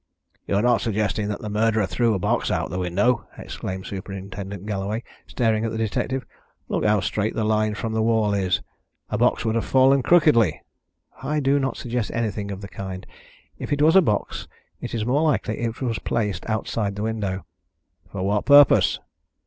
"You are not suggesting that the murderer threw a box out of the window?" exclaimed Superintendent Galloway, staring at the detective. "Look how straight the line from the wall is! A box would have fallen crookedly." "I do not suggest anything of the kind. If it was a box, it is more likely it was placed outside the window." "For what purpose?"